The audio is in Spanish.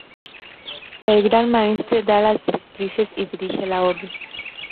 El Gran Maestre da las directrices y dirige la Orden.